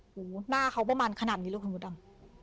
หน้าเค้าประมาณขนาดนี้เลยคุณกุฎัง